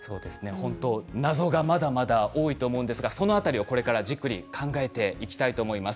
謎が、まだまだ多いと思うんですがその辺りをこれからじっくり考えていきたいと思います。